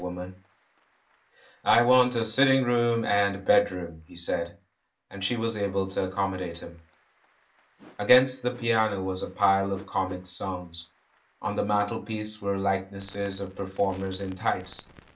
S98 THE MAN WHO UNDERSTOOD WOMEN "I want a sitting room and bedroom," he said. And she was able to accommodate him. Against the piano was a pile of comic songs; on the mantelpiece there were likenesses of per formers in tights.